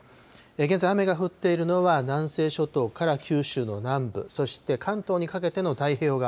現在、雨が降っているのは南西諸島から九州の南部、そして関東にかけての太平洋側。